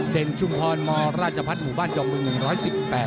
เด็นชุมพรมราชพัฒน์หมู่บ้านจงมือ๑๑๘